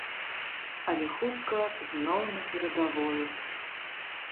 Але хутка зноў на перадавую.